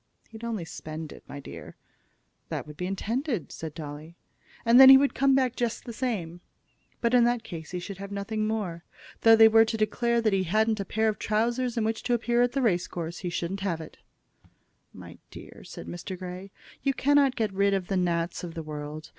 "He'd only spend it, my dear." "That would be intended," said Dolly. "And then he would come back just the same." "But in that case he should have nothing more. Though they were to declare that he hadn't a pair of trousers in which to appear at a race course, he shouldn't have it." "My dear," said Mr. Grey, "you cannot get rid of the gnats of the world.